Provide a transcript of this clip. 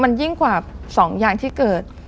มันยิ่งกว่า๒อย่างที่เกิด